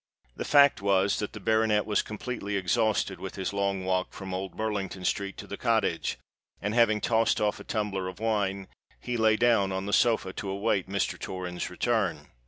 The fact was that the baronet was completely exhausted with his long walk from Old Burlington Street to the Cottage; and, having tossed off a tumbler of wine, he lay down on the sofa to await Mr. Torrens' return.